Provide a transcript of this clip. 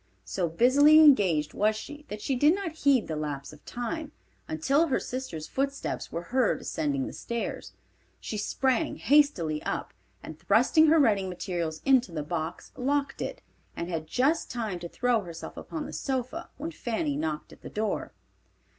So busily engaged was she that she did not heed the lapse of time, until her sister's footsteps were heard ascending the stairs. She sprang hastily up, and thrusting her writing materials into the box locked it, and had just time to throw herself upon the sofa when Fanny knocked at the door.